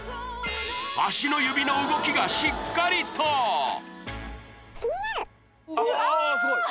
足の指の動きがしっかりとあすごい！